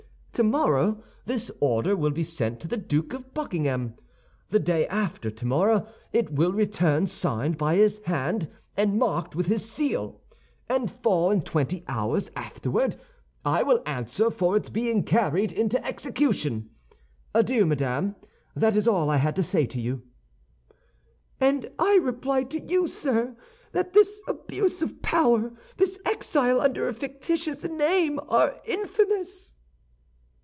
Tomorrow this order will be sent to the Duke of Buckingham. The day after tomorrow it will return signed by his hand and marked with his seal; and four and twenty hours afterward I will answer for its being carried into execution. Adieu, madame. That is all I had to say to you." "And I reply to you, sir, that this abuse of power, this exile under a fictitious name, are infamous!"